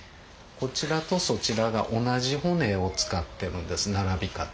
こちらとそちらが同じ骨を使ってるんです並び方。